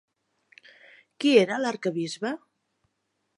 Qui era l'arquebisbe?